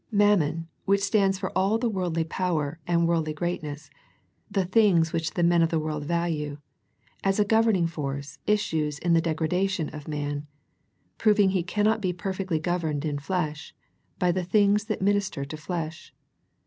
Mammon, which stands for all the worldly power and worldly greatness, the things which the men of the world value, as a governing force issues in the degradation of man, proving he cannot be per fectly governed in flesh by the things that minister to flesh.